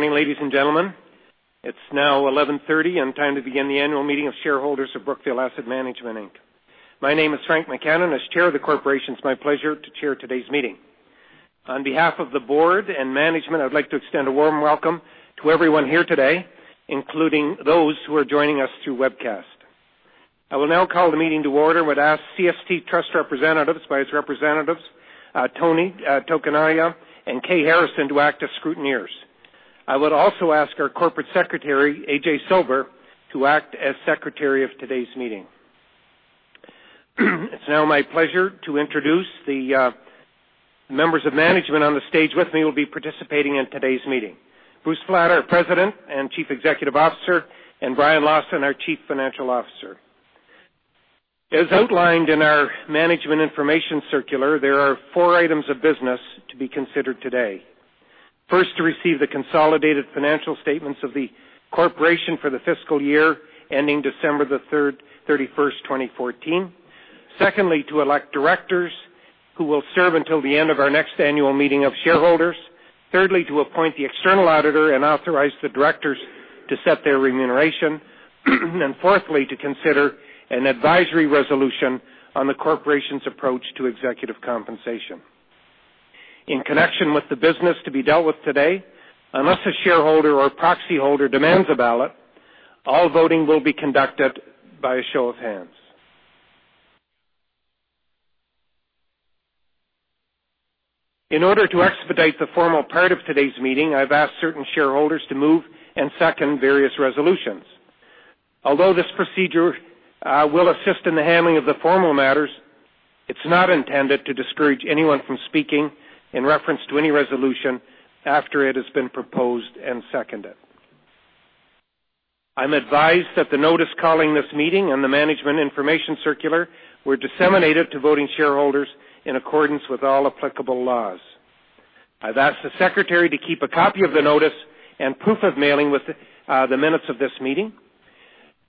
Good morning, ladies and gentlemen. It's now 11:30 and time to begin the annual meeting of shareholders of Brookfield Asset Management Inc. My name is Frank McKenna. As chair of the corporation, it's my pleasure to chair today's meeting. On behalf of the board and management, I would like to extend a warm welcome to everyone here today, including those who are joining us through webcast. I will now call the meeting to order and would ask CST Trust Company by its representatives, Tony Tokunaga and Kay Harrison, to act as scrutineers. I would also ask our Corporate Secretary, A.J. Silber, to act as secretary of today's meeting. It's now my pleasure to introduce the members of management on the stage with me who will be participating in today's meeting. Bruce Flatt, our President and Chief Executive Officer, and Brian Lawson, our Chief Financial Officer. As outlined in our Management Information Circular, there are four items of business to be considered today. First, to receive the consolidated financial statements of the corporation for the fiscal year ending December the 31st, 2014. Secondly, to elect directors who will serve until the end of our next annual meeting of shareholders. Thirdly, to appoint the external auditor and authorize the directors to set their remuneration. Fourthly, to consider an advisory resolution on the corporation's approach to executive compensation. In connection with the business to be dealt with today, unless a shareholder or proxyholder demands a ballot, all voting will be conducted by a show of hands. In order to expedite the formal part of today's meeting, I've asked certain shareholders to move and second various resolutions. Although this procedure will assist in the handling of the formal matters, it's not intended to discourage anyone from speaking in reference to any resolution after it has been proposed and seconded. I'm advised that the notice calling this meeting and the Management Information Circular were disseminated to voting shareholders in accordance with all applicable laws. I've asked the secretary to keep a copy of the notice and proof of mailing with the minutes of this meeting.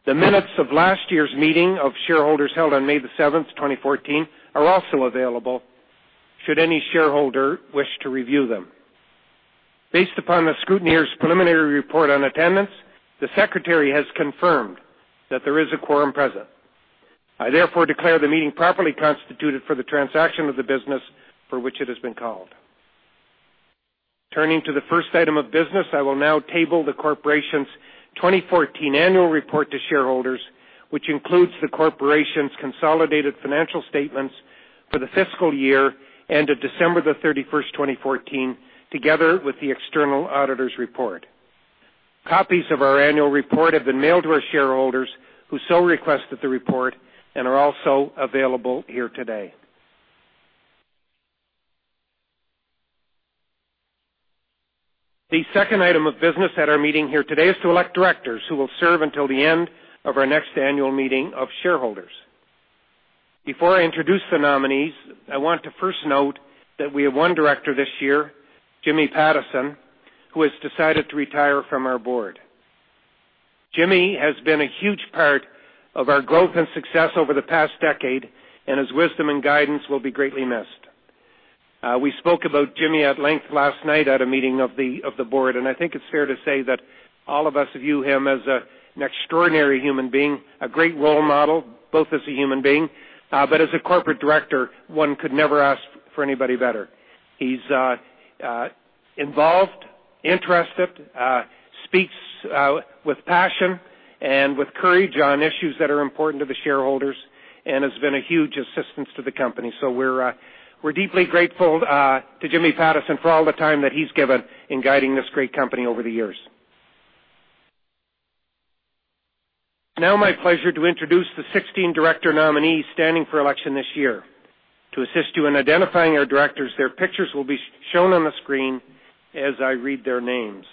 The minutes of last year's meeting of shareholders held on May the 7th, 2014, are also available should any shareholder wish to review them. Based upon the scrutineer's preliminary report on attendance, the secretary has confirmed that there is a quorum present. I therefore declare the meeting properly constituted for the transaction of the business for which it has been called. Turning to the first item of business, I will now table the corporation's 2014 annual report to shareholders, which includes the corporation's consolidated financial statements for the fiscal year ended December the 31st, 2014, together with the external auditor's report. Copies of our annual report have been mailed to our shareholders who so requested the report and are also available here today. The second item of business at our meeting here today is to elect directors who will serve until the end of our next annual meeting of shareholders. Before I introduce the nominees, I want to first note that we have one director this year, Jimmy Pattison, who has decided to retire from our board. Jimmy has been a huge part of our growth and success over the past decade, and his wisdom and guidance will be greatly missed. We spoke about Jimmy at length last night at a meeting of the board. I think it's fair to say that all of us view him as an extraordinary human being, a great role model, both as a human being. As a corporate director, one could never ask for anybody better. He's involved, interested, speaks with passion and with courage on issues that are important to the shareholders and has been a huge assistance to the company. We're deeply grateful to Jimmy Pattison for all the time that he's given in guiding this great company over the years. It's now my pleasure to introduce the 16 director nominees standing for election this year. To assist you in identifying our directors, their pictures will be shown on the screen as I read their names.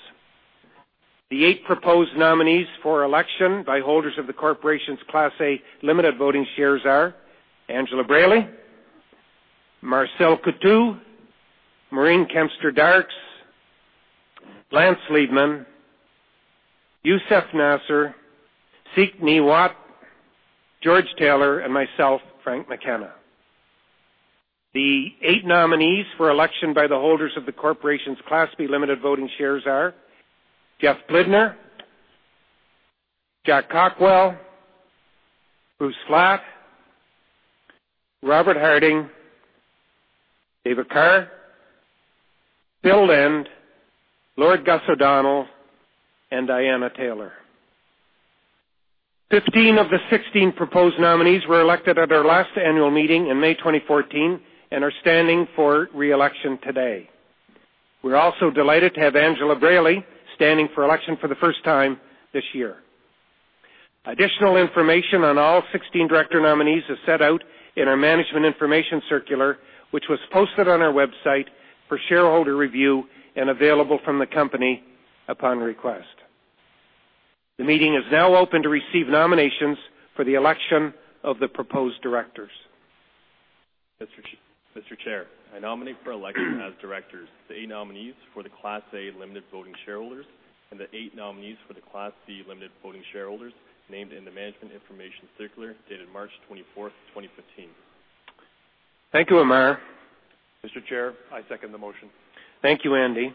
The 8 proposed nominees for election by holders of the corporation's Class A limited voting shares are Angela Braly, Marcel Coutu, Maureen Kempston Darkes, Lance Liebman, Youssef Nasr, Seek Ngee Huat, George Taylor, and myself, Frank McKenna. The 8 nominees for election by the holders of the corporation's Class B limited voting shares are Geoff Blidner, Jack Cockwell, Bruce Flatt, Robert Harding, David Kerr, Bill Lind, Lord Gus O'Donnell, and Diana Taylor. 15 of the 16 proposed nominees were elected at our last annual meeting in May 2014 and are standing for re-election today. We're also delighted to have Angela Braly standing for election for the first time this year. Additional information on all 16 director nominees is set out in our Management Information Circular, which was posted on our website for shareholder review and available from the company upon request. The meeting is now open to receive nominations for the election of the proposed directors. Mr. Chair, I nominate for election as directors the 8 nominees for the Class A limited voting shareholders and the 8 nominees for the Class B limited voting shareholders named in the Management Information Circular dated March 24th, 2015. Thank you, Amar. Mr. Chair, I second the motion. Thank you, Andy.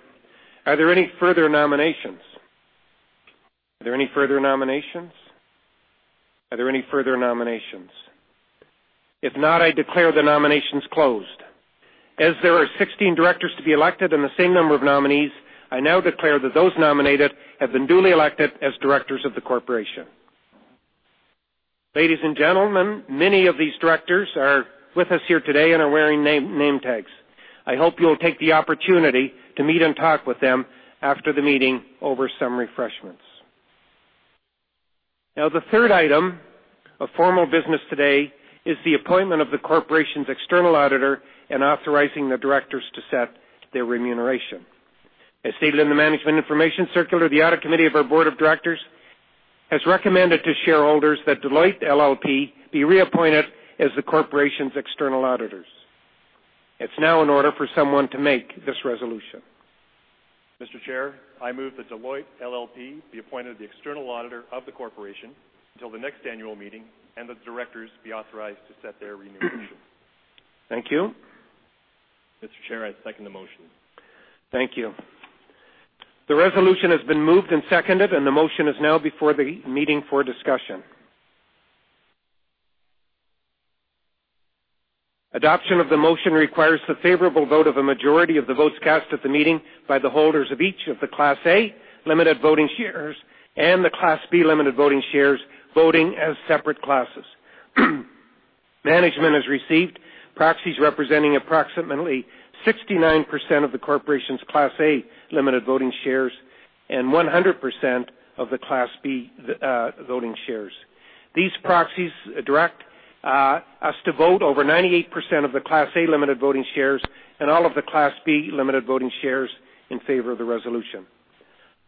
Are there any further nominations? Are there any further nominations? Are there any further nominations? If not, I declare the nominations closed. As there are 16 directors to be elected and the same number of nominees, I now declare that those nominated have been duly elected as directors of the corporation. Ladies and gentlemen, many of these directors are with us here today and are wearing name tags. I hope you'll take the opportunity to meet and talk with them after the meeting over some refreshments. Now, the third item of formal business today is the appointment of the corporation's external auditor and authorizing the directors to set their remuneration. As stated in the Management Information Circular, the audit committee of our board of directors has recommended to shareholders that Deloitte LLP be reappointed as the corporation's external auditors. It's now in order for someone to make this resolution. Mr. Chair, I move that Deloitte LLP be appointed the external auditor of the corporation until the next annual meeting, and that the directors be authorized to set their remuneration. Thank you. Mr. Chair, I second the motion. Thank you. The resolution has been moved and seconded, and the motion is now before the meeting for discussion. Adoption of the motion requires the favorable vote of a majority of the votes cast at the meeting by the holders of each of the Class A limited voting shares and the Class B limited voting shares, voting as separate classes. Management has received proxies representing approximately 69% of the corporation's Class A limited voting shares and 100% of the Class B voting shares. These proxies direct us to vote over 98% of the Class A limited voting shares and all of the Class B limited voting shares in favor of the resolution.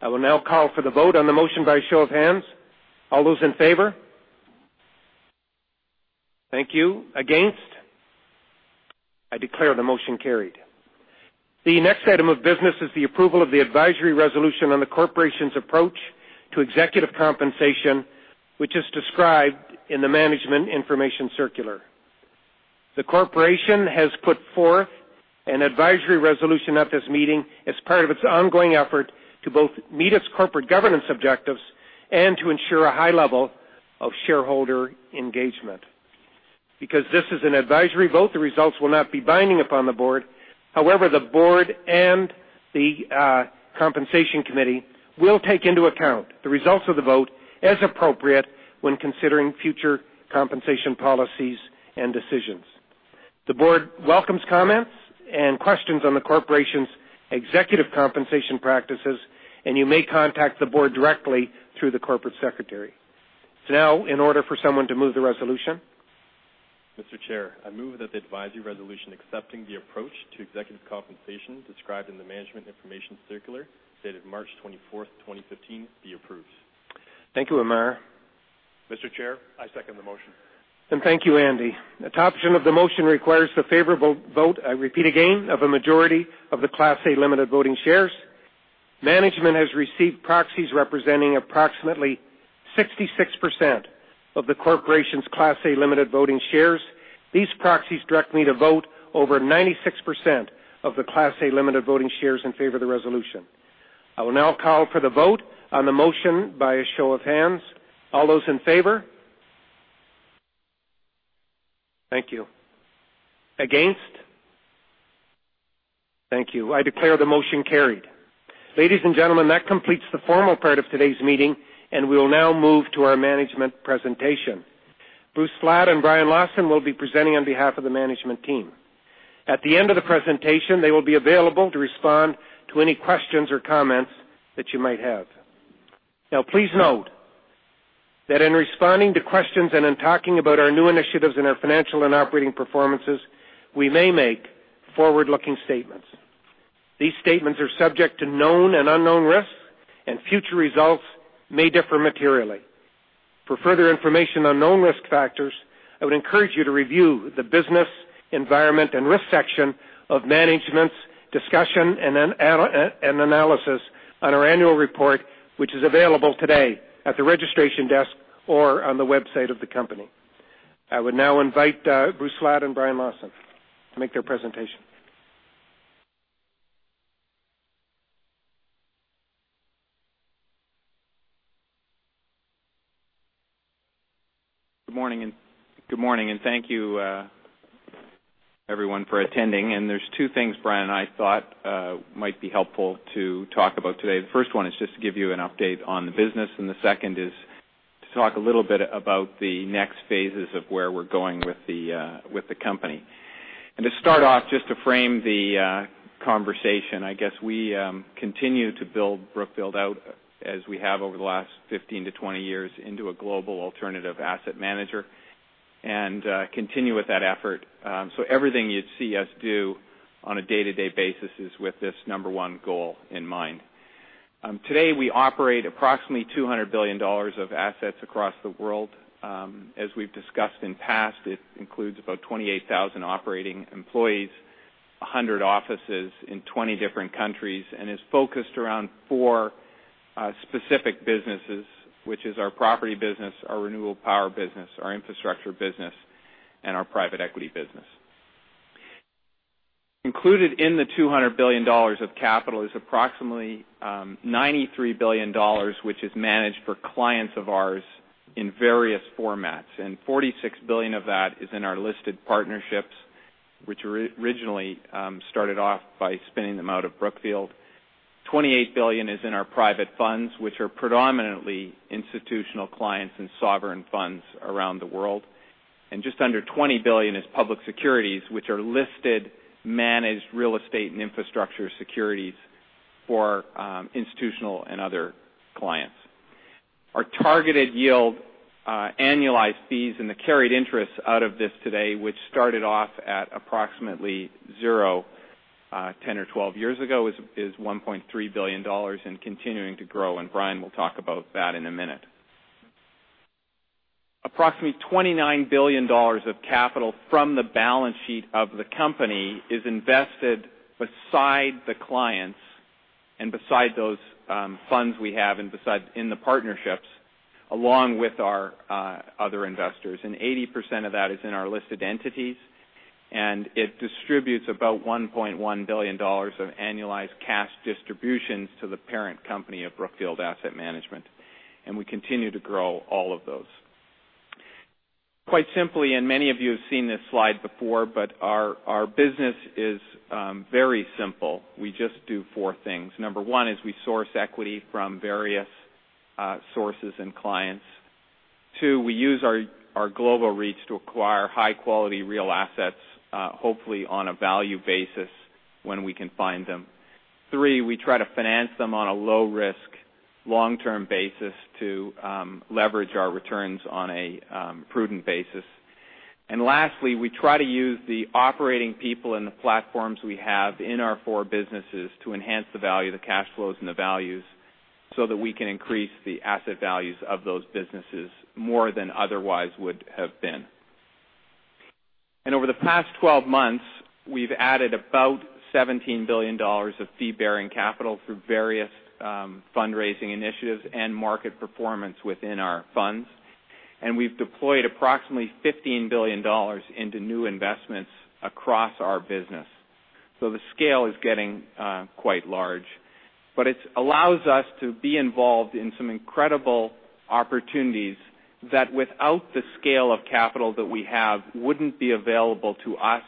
I will now call for the vote on the motion by show of hands. All those in favor? Thank you. Against? I declare the motion carried. The next item of business is the approval of the advisory resolution on the corporation's approach to executive compensation, which is described in the Management Information Circular. The corporation has put forth an advisory resolution at this meeting as part of its ongoing effort to both meet its corporate governance objectives and to ensure a high level of shareholder engagement. Because this is an advisory vote, the results will not be binding upon the board. However, the board and the compensation committee will take into account the results of the vote as appropriate when considering future compensation policies and decisions. The board welcomes comments and questions on the corporation's executive compensation practices, and you may contact the board directly through the Corporate Secretary. It's now in order for someone to move the resolution. Mr. Chair, I move that the advisory resolution accepting the approach to executive compensation described in the Management Information Circular, dated March 24th, 2015, be approved. Thank you, Amar. Mr. Chair, I second the motion. Thank you, Andy. Adoption of the motion requires the favorable vote, I repeat again, of a majority of the Class A limited voting shares. Management has received proxies representing approximately 66% of the corporation's Class A limited voting shares. These proxies direct me to vote over 96% of the Class A limited voting shares in favor of the resolution. I will now call for the vote on the motion by a show of hands. All those in favor? Thank you. Against? Thank you. I declare the motion carried. Ladies and gentlemen, that completes the formal part of today's meeting, and we will now move to our management presentation. Bruce Flatt and Brian Lawson will be presenting on behalf of the management team. At the end of the presentation, they will be available to respond to any questions or comments that you might have. Please note that in responding to questions and in talking about our new initiatives and our financial and operating performances, we may make forward-looking statements. These statements are subject to known and unknown risks, and future results may differ materially. For further information on known risk factors, I would encourage you to review the Business Environment and Risk section of Management's Discussion and Analysis on our annual report, which is available today at the registration desk or on the website of the company. I would now invite Bruce Flatt and Brian Lawson to make their presentation. Good morning, and thank you everyone for attending. There's two things Brian and I thought might be helpful to talk about today. The first one is just to give you an update on the business, and the second is to talk a little bit about the next phases of where we're going with the company. To start off, just to frame the conversation, I guess we continue to build Brookfield out as we have over the last 15 to 20 years into a global alternative asset manager and continue with that effort. Everything you see us do on a day-to-day basis is with this number one goal in mind. Today, we operate approximately $200 billion of assets across the world. As we've discussed in past, it includes about 28,000 operating employees. 100 offices in 20 different countries and is focused around four specific businesses, which is our Property Business, our Renewable Power Business, our Infrastructure Business, and our Private Equity Business. Included in the $200 billion of capital is approximately $93 billion, which is managed for clients of ours in various formats, and $46 billion of that is in our listed partnerships, which originally started off by spinning them out of Brookfield. $28 billion is in our private funds, which are predominantly institutional clients and sovereign funds around the world. Just under $20 billion is public securities, which are listed, managed real estate and infrastructure securities for institutional and other clients. Our targeted yield, annualized fees, and the carried interest out of this today, which started off at approximately zero 10 or 12 years ago, is $1.3 billion and continuing to grow. Brian will talk about that in a minute. Approximately $29 billion of capital from the balance sheet of the company is invested beside the clients and beside those funds we have in the partnerships, along with our other investors, and 80% of that is in our listed entities. It distributes about $1.1 billion of annualized cash distributions to the parent company of Brookfield Asset Management, and we continue to grow all of those. Quite simply, and many of you have seen this slide before, but our business is very simple. We just do four things. Number one is we source equity from various sources and clients. Two, we use our global reach to acquire high-quality real assets, hopefully on a value basis when we can find them. Three, we try to finance them on a low-risk, long-term basis to leverage our returns on a prudent basis. Lastly, we try to use the operating people and the platforms we have in our four businesses to enhance the value, the cash flows, and the values so that we can increase the asset values of those businesses more than otherwise would have been. Over the past 12 months, we've added about $17 billion of fee-bearing capital through various fundraising initiatives and market performance within our funds. We've deployed approximately $15 billion into new investments across our business, so the scale is getting quite large. It allows us to be involved in some incredible opportunities that, without the scale of capital that we have, wouldn't be available to us,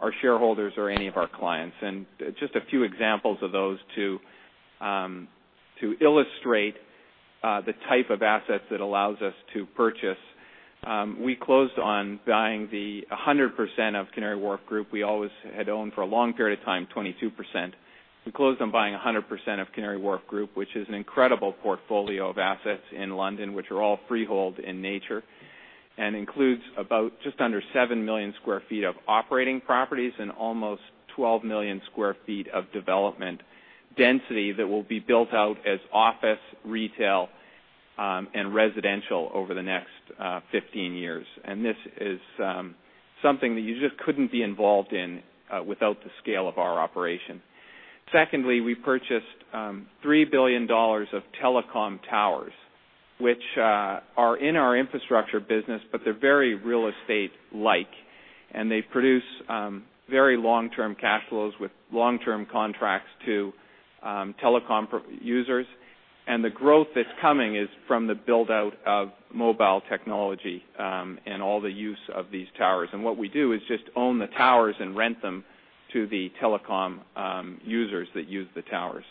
our shareholders, or any of our clients. Just a few examples of those to illustrate the type of assets it allows us to purchase. We closed on buying 100% of Canary Wharf Group. We always had owned, for a long period of time, 22%. We closed on buying 100% of Canary Wharf Group, which is an incredible portfolio of assets in London, which are all freehold in nature and includes about just under 7 million sq ft of operating properties and almost 12 million sq ft of development density that will be built out as office, retail, and residential over the next 15 years. This is something that you just couldn't be involved in without the scale of our operation. Secondly, we purchased $3 billion of telecom towers, which are in our infrastructure business, but they're very real estate-like, and they produce very long-term cash flows with long-term contracts to telecom users. The growth that's coming is from the build-out of mobile technology, and all the use of these towers. What we do is just own the towers and rent them to the telecom users that use the towers.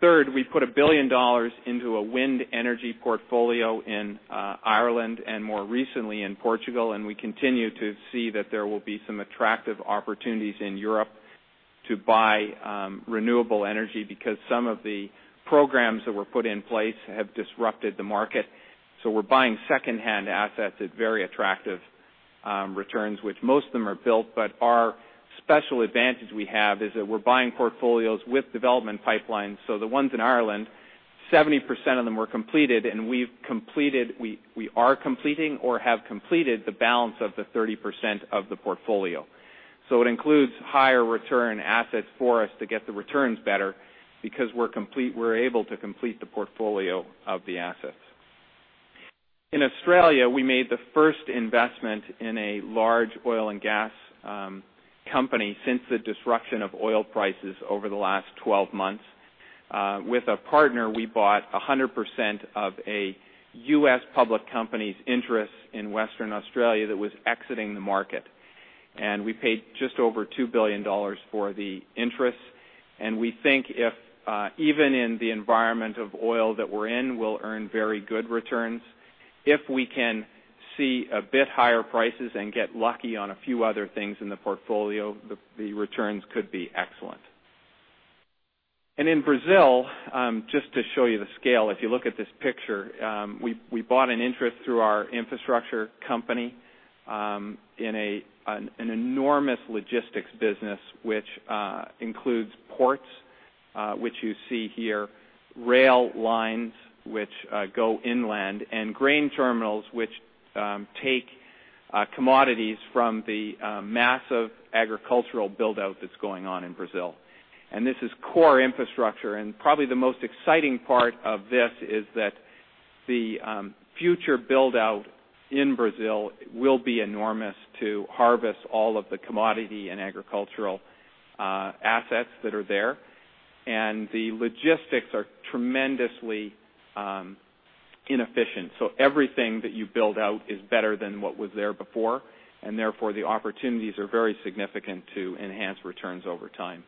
Third, we put $1 billion into a wind energy portfolio in Ireland and more recently in Portugal, and we continue to see that there will be some attractive opportunities in Europe to buy renewable energy because some of the programs that were put in place have disrupted the market. We're buying secondhand assets at very attractive returns, which most of them are built. Our special advantage we have is that we're buying portfolios with development pipelines. The ones in Ireland, 70% of them were completed, and we are completing or have completed the balance of the 30% of the portfolio. It includes higher return assets for us to get the returns better because we're able to complete the portfolio of the assets. In Australia, we made the first investment in a large oil and gas company since the disruption of oil prices over the last 12 months. With a partner, we bought 100% of a U.S. public company's interest in Western Australia that was exiting the market, and we paid just over $2 billion for the interest. We think if, even in the environment of oil that we're in, we'll earn very good returns. If we can see a bit higher prices and get lucky on a few other things in the portfolio, the returns could be excellent. In Brazil, just to show you the scale, if you look at this picture, we bought an interest through our infrastructure company in an enormous logistics business, which includes ports which you see here, rail lines which go inland and grain terminals which take commodities from the massive agricultural build-out that's going on in Brazil. This is core infrastructure. Probably the most exciting part of this is that the future build-out in Brazil will be enormous to harvest all of the commodity and agricultural assets that are there. The logistics are tremendously inefficient. Everything that you build out is better than what was there before, and therefore, the opportunities are very significant to enhance returns over time.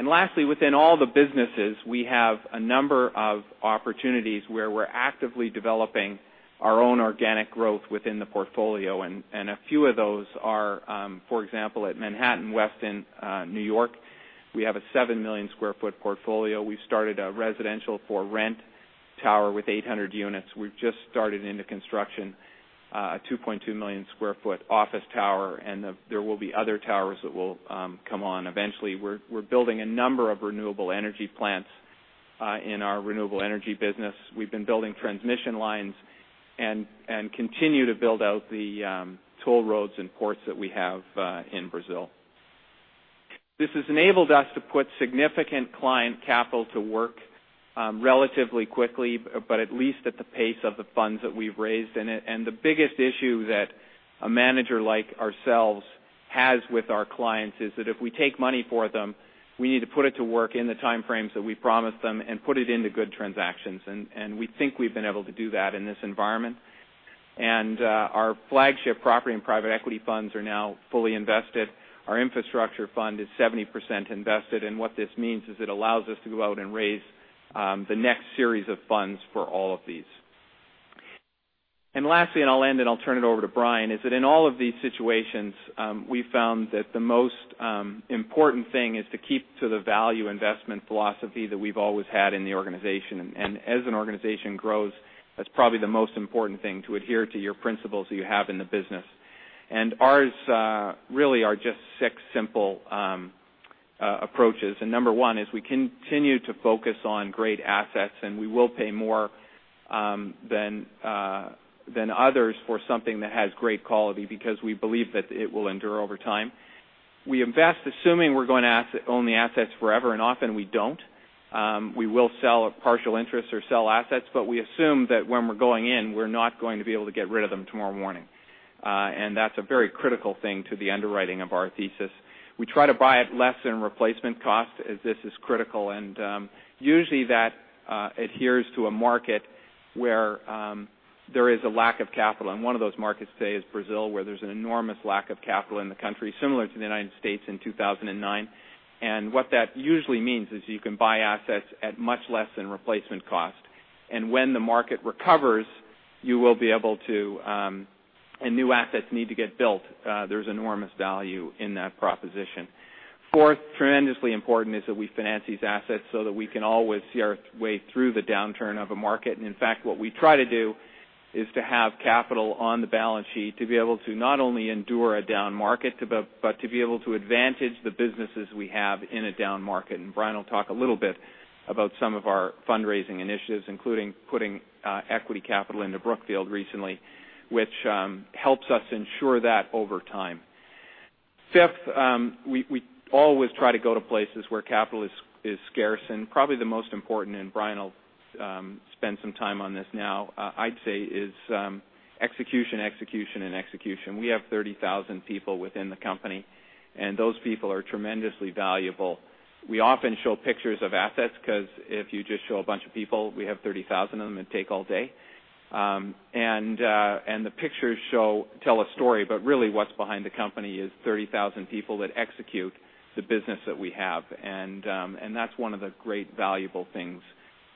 Lastly, within all the businesses, we have a number of opportunities where we're actively developing our own organic growth within the portfolio. A few of those are, for example, at Manhattan West in New York, we have a 7 million square foot portfolio. We've started a residential-for-rent tower with 800 units. We've just started into construction a 2.2 million square foot office tower. There will be other towers that will come on eventually. We're building a number of renewable energy plants in our renewable energy business. We've been building transmission lines and continue to build out the toll roads and ports that we have in Brazil. This has enabled us to put significant client capital to work relatively quickly, but at least at the pace of the funds that we've raised in it. The biggest issue that a manager like ourselves has with our clients is that if we take money for them, we need to put it to work in the time frames that we promised them and put it into good transactions. We think we've been able to do that in this environment. Our flagship property and private equity funds are now fully invested. Our infrastructure fund is 70% invested. What this means is it allows us to go out and raise the next series of funds for all of these. Lastly, and I'll end, and I'll turn it over to Brian, is that in all of these situations, we've found that the most important thing is to keep to the value investment philosophy that we've always had in the organization. As an organization grows, that's probably the most important thing, to adhere to your principles that you have in the business. Ours really are just 6 simple approaches. Number 1 is we continue to focus on great assets, we will pay more than others for something that has great quality because we believe that it will endure over time. We invest assuming we're going to own the assets forever, often we don't. We will sell a partial interest or sell assets, but we assume that when we're going in, we're not going to be able to get rid of them tomorrow morning. That's a very critical thing to the underwriting of our thesis. We try to buy at less than replacement cost, as this is critical. Usually that adheres to a market where there is a lack of capital. One of those markets today is Brazil, where there's an enormous lack of capital in the country, similar to the U.S. in 2009. What that usually means is you can buy assets at much less than replacement cost. When the market recovers and new assets need to get built, there's enormous value in that proposition. Fourth, tremendously important is that we finance these assets so that we can always see our way through the downturn of a market. In fact, what we try to do is to have capital on the balance sheet to be able to not only endure a down market, but to be able to advantage the businesses we have in a down market. Brian will talk a little bit about some of our fundraising initiatives, including putting equity capital into Brookfield recently, which helps us ensure that over time. Fifth, we always try to go to places where capital is scarce. Probably the most important, Brian will spend some time on this now, I'd say is execution. We have 30,000 people within the company, those people are tremendously valuable. We often show pictures of assets because if you just show a bunch of people, we have 30,000 of them. It'd take all day. The pictures tell a story. Really what's behind the company is 30,000 people that execute the business that we have. That's one of the great valuable things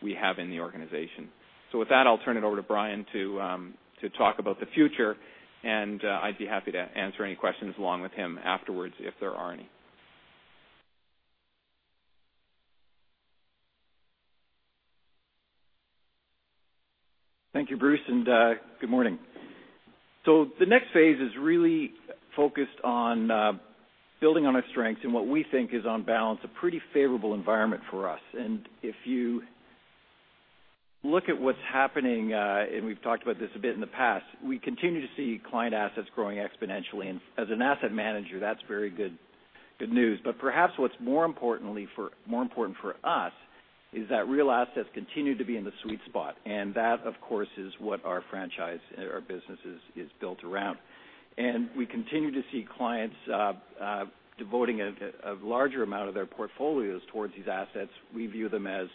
we have in the organization. With that, I'll turn it over to Brian to talk about the future. I'd be happy to answer any questions along with him afterwards if there are any. Thank you, Bruce, and good morning. The next phase is really focused on building on our strengths in what we think is, on balance, a pretty favorable environment for us. If you look at what's happening, we've talked about this a bit in the past, we continue to see client assets growing exponentially. As an asset manager, that's very good news. Perhaps what's more important for us is that real assets continue to be in the sweet spot. That, of course, is what our franchise, our business is built around. We continue to see clients devoting a larger amount of their portfolios towards these assets. We view them as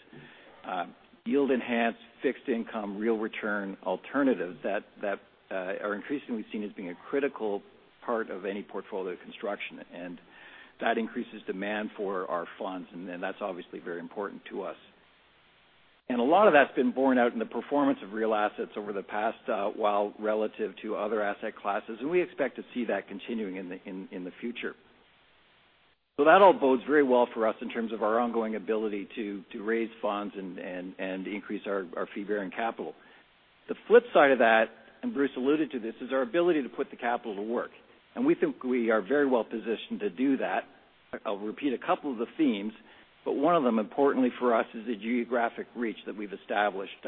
yield-enhanced, fixed income, real return alternatives that are increasingly seen as being a critical part of any portfolio construction. That increases demand for our funds. That's obviously very important to us. A lot of that's been borne out in the performance of real assets over the past while relative to other asset classes. We expect to see that continuing in the future. That all bodes very well for us in terms of our ongoing ability to raise funds and increase our fee-bearing capital. The flip side of that, and Bruce alluded to this, is our ability to put the capital to work. We think we are very well positioned to do that. I'll repeat a couple of the themes, but one of them, importantly for us, is the geographic reach that we've established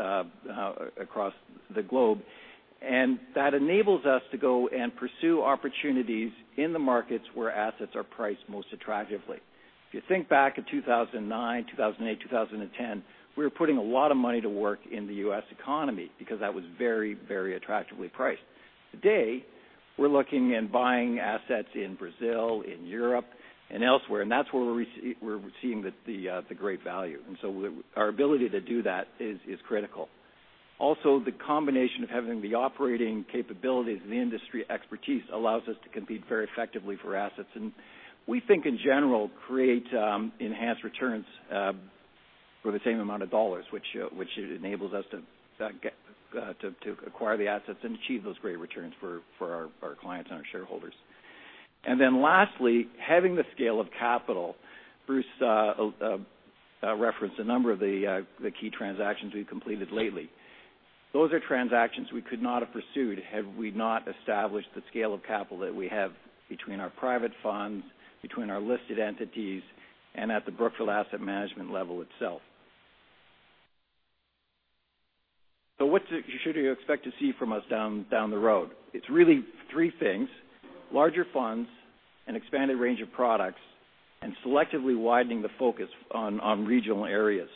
across the globe. That enables us to go and pursue opportunities in the markets where assets are priced most attractively. If you think back in 2009, 2008, 2010, we were putting a lot of money to work in the U.S. economy because that was very attractively priced. Today, we're looking and buying assets in Brazil, in Europe, and elsewhere, and that's where we're seeing the great value. Our ability to do that is critical. Also, the combination of having the operating capabilities and the industry expertise allows us to compete very effectively for assets. We think in general, create enhanced returns for the same amount of dollars, which enables us to acquire the assets and achieve those great returns for our clients and our shareholders. Lastly, having the scale of capital. Bruce referenced a number of the key transactions we've completed lately. Those are transactions we could not have pursued had we not established the scale of capital that we have between our private funds, between our listed entities, and at the Brookfield Asset Management level itself. What should you expect to see from us down the road? It's really three things, larger funds, an expanded range of products, and selectively widening the focus on regional areas.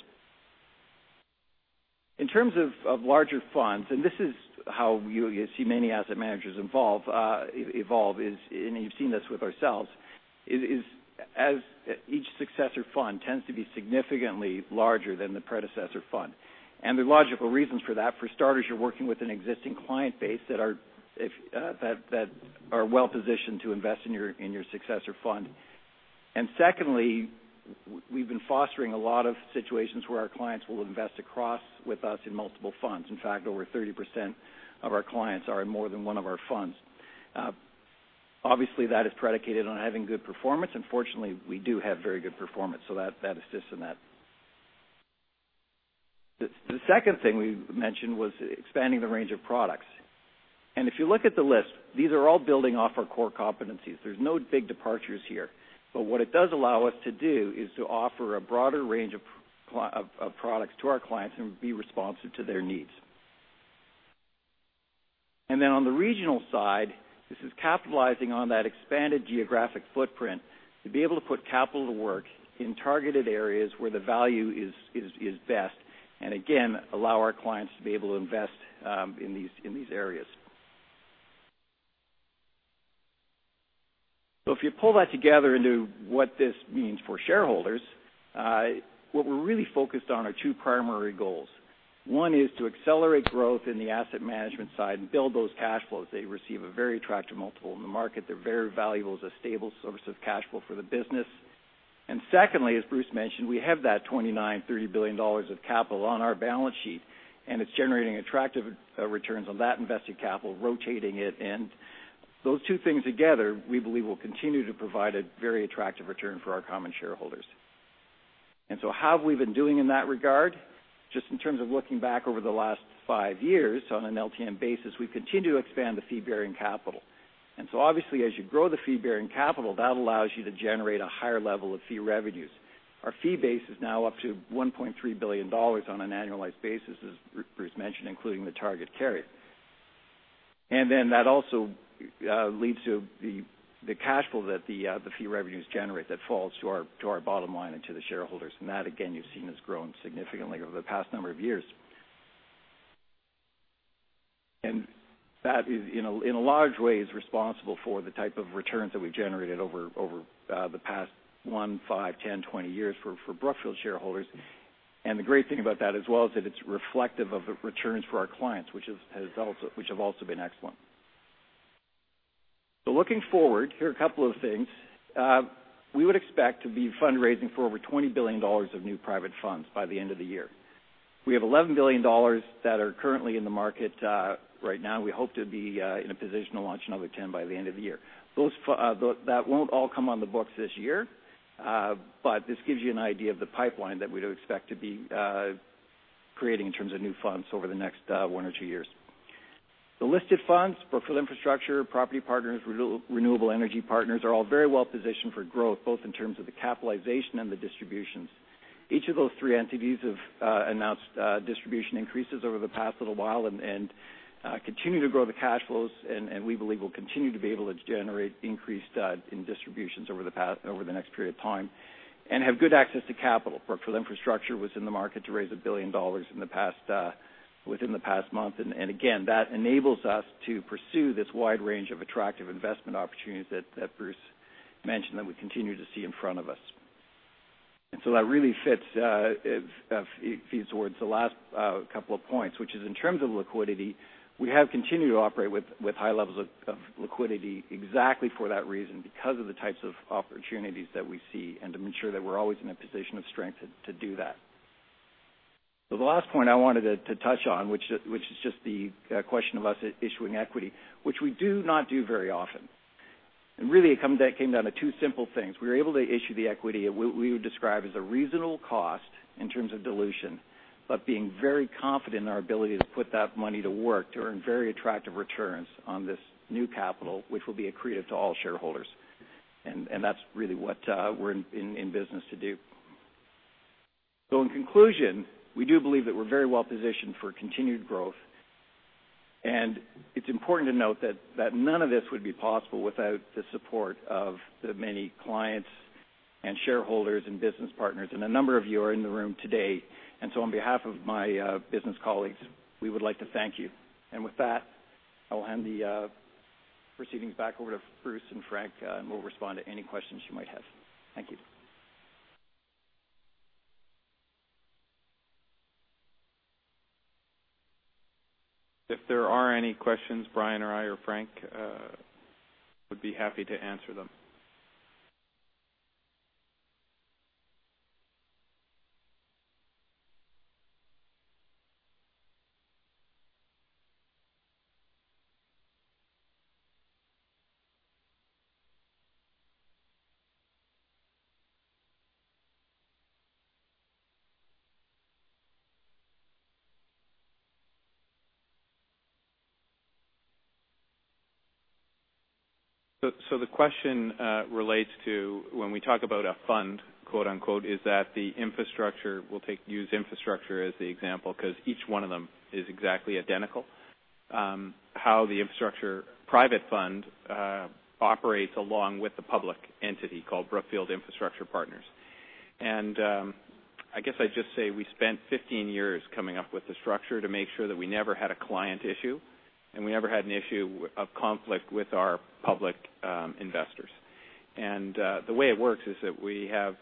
In terms of larger funds, and this is how you see many asset managers evolve is, and you've seen this with ourselves, is as each successor fund tends to be significantly larger than the predecessor fund. The logical reasons for that, for starters, you're working with an existing client base that are well positioned to invest in your successor fund. Secondly, we've been fostering a lot of situations where our clients will invest across with us in multiple funds. In fact, over 30% of our clients are in more than one of our funds. Obviously, that is predicated on having good performance, and fortunately, we do have very good performance, so that assists in that. The second thing we mentioned was expanding the range of products. If you look at the list, these are all building off our core competencies. There's no big departures here. What it does allow us to do is to offer a broader range of products to our clients and be responsive to their needs. On the regional side, this is capitalizing on that expanded geographic footprint to be able to put capital to work in targeted areas where the value is best, and again, allow our clients to be able to invest in these areas. If you pull that together into what this means for shareholders, what we're really focused on are two primary goals. One is to accelerate growth in the asset management side and build those cash flows. They receive a very attractive multiple in the market. They're very valuable as a stable source of cash flow for the business. Secondly, as Bruce mentioned, we have that $29 billion-$30 billion of capital on our balance sheet, and it's generating attractive returns on that invested capital, rotating it in. Those two things together, we believe will continue to provide a very attractive return for our common shareholders. How have we been doing in that regard? Just in terms of looking back over the last five years on an LTM basis, we've continued to expand the fee-bearing capital. Obviously, as you grow the fee-bearing capital, that allows you to generate a higher level of fee revenues. Our fee base is now up to $1.3 billion on an annualized basis, as Bruce mentioned, including the target carried interest. That also leads to the cash flow that the fee revenues generate that falls to our bottom line and to the shareholders. That, again, you've seen has grown significantly over the past number of years. That is in a large way, is responsible for the type of returns that we've generated over the past one, five, 10, 20 years for Brookfield shareholders. The great thing about that as well is that it's reflective of the returns for our clients, which have also been excellent. Looking forward, here are a couple of things. We would expect to be fundraising for over $20 billion of new private funds by the end of the year. We have $11 billion that are currently in the market right now. We hope to be in a position to launch another 10 by the end of the year. That won't all come on the books this year. This gives you an idea of the pipeline that we'd expect to be creating in terms of new funds over the next one or two years. The listed funds, Brookfield Infrastructure, Brookfield Property Partners, Brookfield Renewable Energy Partners, are all very well positioned for growth, both in terms of the capitalization and the distributions. Each of those three entities have announced distribution increases over the past little while and continue to grow the cash flows and we believe will continue to be able to generate increased in distributions over the next period of time and have good access to capital. Brookfield Infrastructure was in the market to raise $1 billion within the past month, that enables us to pursue this wide range of attractive investment opportunities that Bruce mentioned that we continue to see in front of us. That really feeds towards the last couple of points, which is in terms of liquidity, we have continued to operate with high levels of liquidity exactly for that reason, because of the types of opportunities that we see and to ensure that we're always in a position of strength to do that. The last point I wanted to touch on, which is just the question of us issuing equity, which we do not do very often. Really, it came down to two simple things. We were able to issue the equity at what we would describe as a reasonable cost in terms of dilution, but being very confident in our ability to put that money to work to earn very attractive returns on this new capital, which will be accretive to all shareholders. That's really what we're in business to do. In conclusion, we do believe that we're very well positioned for continued growth. It's important to note that none of this would be possible without the support of the many clients, shareholders, and business partners, and a number of you are in the room today. On behalf of my business colleagues, we would like to thank you. With that, I will hand the proceedings back over to Bruce and Frank, and we'll respond to any questions you might have. Thank you. If there are any questions, Brian or I or Frank would be happy to answer them. The question relates to when we talk about a "fund," is that the infrastructure, we'll use infrastructure as the example because each one of them is exactly identical. How the infrastructure private fund operates along with the public entity called Brookfield Infrastructure Partners. I guess I'd just say we spent 15 years coming up with the structure to make sure that we never had a client issue, and we never had an issue of conflict with our public investors. The way it works is that we have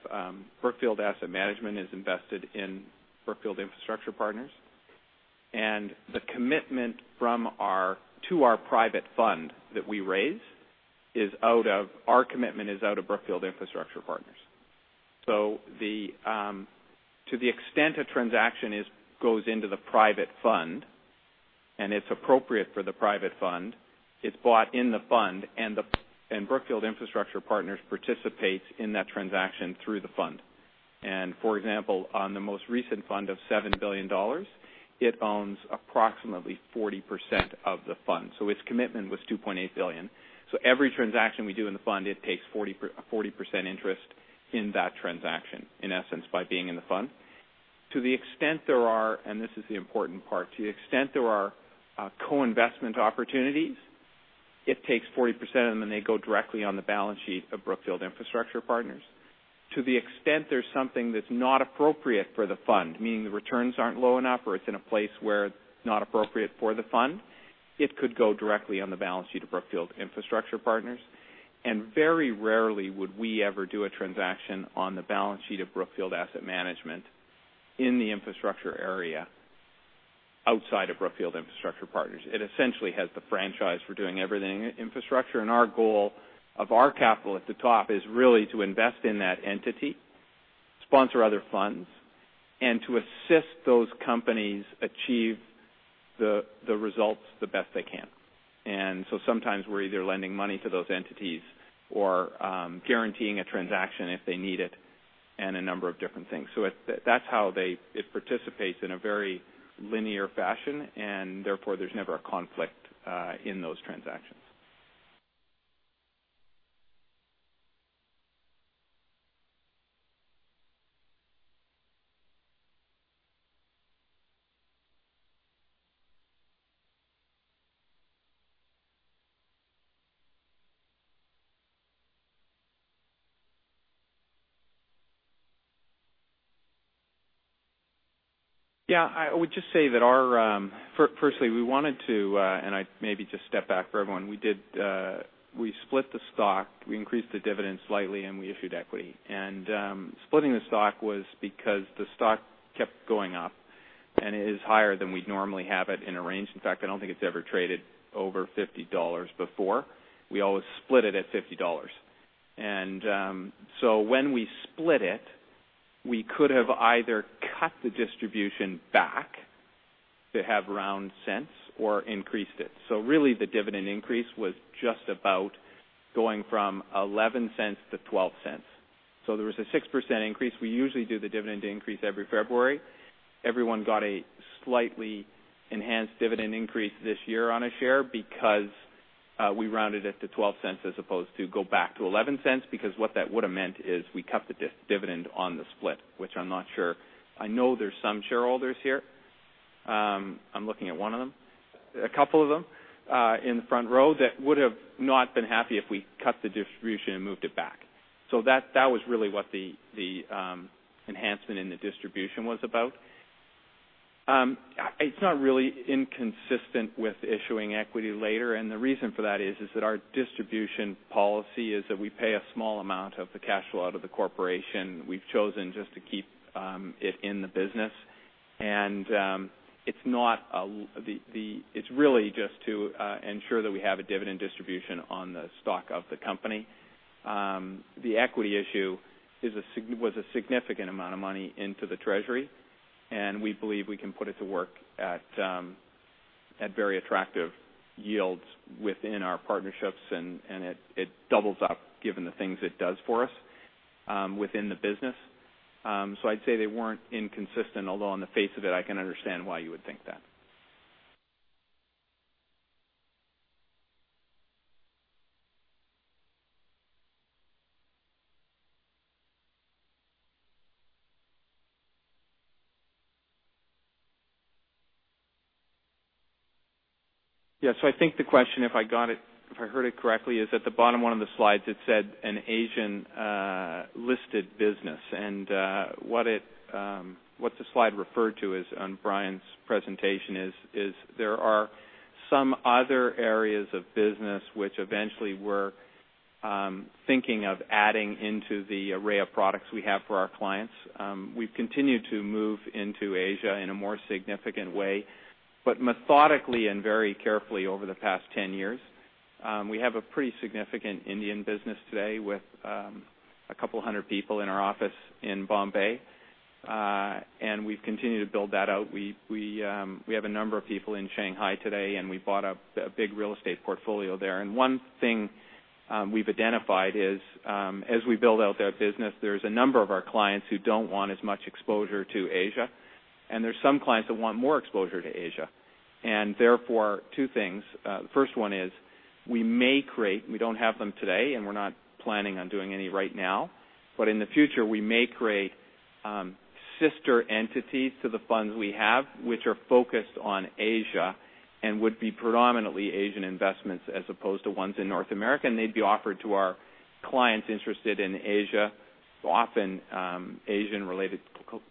Brookfield Asset Management is invested in Brookfield Infrastructure Partners, and the commitment to our private fund that we raise, our commitment is out of Brookfield Infrastructure Partners. To the extent a transaction goes into the private fund and it's appropriate for the private fund, it's bought in the fund, and Brookfield Infrastructure Partners participates in that transaction through the fund. For example, on the most recent fund of $7 billion, it owns approximately 40% of the fund. Its commitment was $2.8 billion. Every transaction we do in the fund, it takes 40% interest in that transaction, in essence, by being in the fund. To the extent there are, and this is the important part, to the extent there are co-investment opportunities, it takes 40% of them, and they go directly on the balance sheet of Brookfield Infrastructure Partners. To the extent there's something that's not appropriate for the fund, meaning the returns aren't low enough or it's in a place where it's not appropriate for the fund, it could go directly on the balance sheet of Brookfield Infrastructure Partners. Very rarely would we ever do a transaction on the balance sheet of Brookfield Asset Management in the infrastructure area outside of Brookfield Infrastructure Partners. It essentially has the franchise for doing everything infrastructure, our goal of our capital at the top is really to invest in that entity, sponsor other funds, and to assist those companies achieve the results the best they can. Sometimes we're either lending money to those entities or guaranteeing a transaction if they need it and a number of different things. That's how it participates in a very linear fashion, and therefore there's never a conflict in those transactions. I would just say that firstly, we wanted to. I'd maybe just step back for everyone. We split the stock, we increased the dividend slightly, and we issued equity. Splitting the stock was because the stock kept going up, and it is higher than we'd normally have it in a range. In fact, I don't think it's ever traded over $50 before. We always split it at $50. When we split it, we could have either cut the distribution back to have round cents or increased it. Really the dividend increase was just about going from $0.11 to $0.12. There was a 6% increase. We usually do the dividend increase every February. Everyone got a slightly enhanced dividend increase this year on a share because we rounded it to $0.12 as opposed to go back to $0.11, because what that would have meant is we cut the dividend on the split, which I'm not sure. I know there's some shareholders here. I'm looking at one of them, a couple of them in the front row that would have not been happy if we cut the distribution and moved it back. That was really what the enhancement in the distribution was about. It's not really inconsistent with issuing equity later. The reason for that is that our distribution policy is that we pay a small amount of the cash flow out of the corporation. We've chosen just to keep it in the business. It's really just to ensure that we have a dividend distribution on the stock of the company. The equity issue was a significant amount of money into the treasury, we believe we can put it to work at very attractive yields within our partnerships, and it doubles up given the things it does for us within the business. I'd say they weren't inconsistent, although on the face of it, I can understand why you would think that. I think the question, if I heard it correctly, is at the bottom one of the slides, it said an Asian listed business. What the slide referred to on Brian's presentation is there are some other areas of business which eventually we're thinking of adding into the array of products we have for our clients. We've continued to move into Asia in a more significant way, but methodically and very carefully over the past 10 years. We have a pretty significant Indian business today with 200 people in our office in Bombay. We've continued to build that out. We have a number of people in Shanghai today, and we bought a big real estate portfolio there. One thing we've identified is as we build out that business, there's a number of our clients who don't want as much exposure to Asia, and there's some clients that want more exposure to Asia. Therefore, two things. The first one is we may create, we don't have them today, and we're not planning on doing any right now, but in the future, we may create sister entities to the funds we have, which are focused on Asia and would be predominantly Asian investments as opposed to ones in North America. They'd be offered to our clients interested in Asia, often Asian-related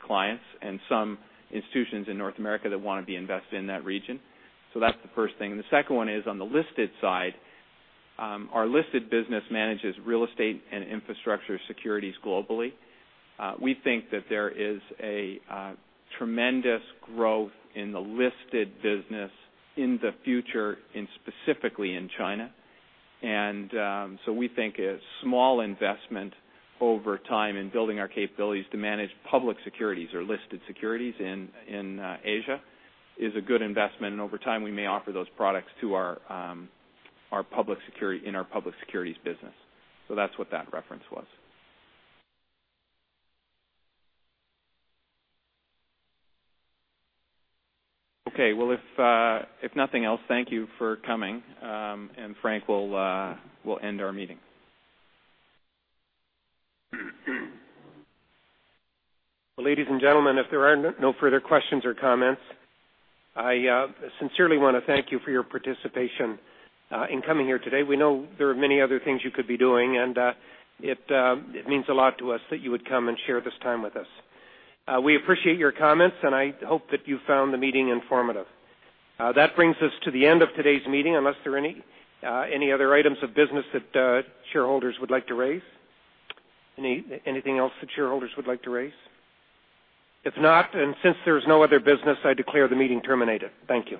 clients and some institutions in North America that want to be invested in that region. That's the first thing. The second one is on the listed side. Our listed business manages real estate and infrastructure securities globally. We think that there is a tremendous growth in the listed business in the future, and specifically in China. We think a small investment over time in building our capabilities to manage public securities or listed securities in Asia is a good investment. Over time, we may offer those products in our public securities business. So that's what that reference was. Okay. Well, if nothing else, thank you for coming. Frank, we'll end our meeting. Well, ladies and gentlemen, if there are no further questions or comments, I sincerely want to thank you for your participation in coming here today. We know there are many other things you could be doing, and it means a lot to us that you would come and share this time with us. We appreciate your comments, and I hope that you found the meeting informative. That brings us to the end of today's meeting, unless there are any other items of business that shareholders would like to raise. Anything else that shareholders would like to raise? If not, and since there's no other business, I declare the meeting terminated. Thank you